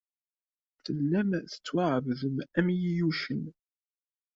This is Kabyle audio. Tellam tettwaɛebdem am yiyucen.